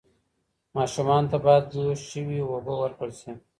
ماشومانو ته باید جوش شوې اوبه ورکړل شي.